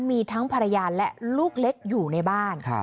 มีทั้งภรรยาและลูกเล็กอยู่ในบ้าน